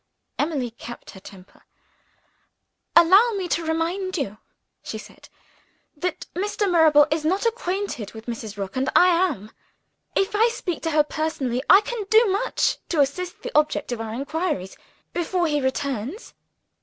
Emily kept her temper. "Allow me to remind you," she said, "that Mr. Mirabel is not acquainted with Mrs. Rook and that I am. If I speak to her personally, I can do much to assist the object of our inquiries, before he returns.